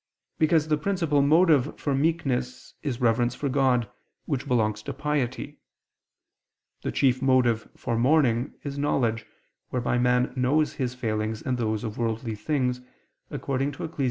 Because the principal motive for meekness is reverence for God, which belongs to piety. The chief motive for mourning is knowledge, whereby man knows his failings and those of worldly things, according to Eccles.